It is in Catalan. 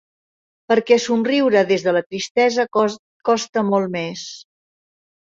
Perquè somriure des de la tristesa costa molt més.